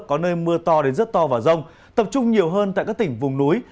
có nơi mưa to đến rất to và rông tập trung nhiều hơn tại các tỉnh vùng núi